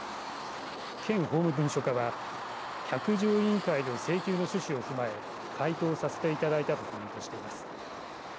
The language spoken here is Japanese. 県法務文書課は百条委員会の請求の趣旨を踏まえ回答させていただいたとコメントしています。